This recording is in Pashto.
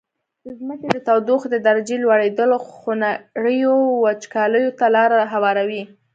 د ځمکي د تودوخي د درجي لوړیدل خونړیو وچکالیو ته لاره هواروي.